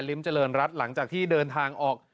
เจริญรัฐหลังจากที่เดินทางออก